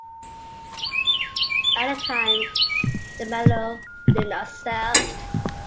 At the time, the medal did not sell.